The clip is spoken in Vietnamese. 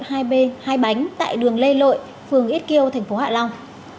hai bánh tại đường lê lội phường ít kiêu thành phố hạ long